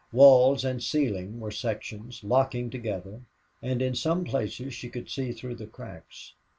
Walls and ceiling were sections, locking together, and in some places she could see through the cracks.